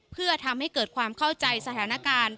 เพื่อทำให้เกิดความเข้าใจสถานการณ์